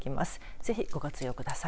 ぜひ、ご活用ください。